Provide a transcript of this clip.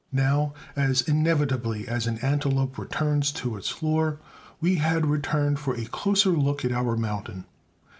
Now, as inevitably as an antelope returns to its lure, we had returned for a closer look at our mountain.